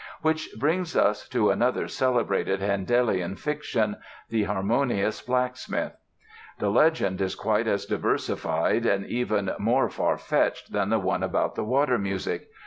Which brings us to another celebrated Handelian fiction, "The Harmonious Blacksmith." The legend is quite as diversified and even more far fetched than the one about the "Water Music."